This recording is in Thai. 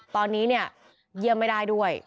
ตอนนี้เนี่ยเยี่ยมไม่ได้ด้วย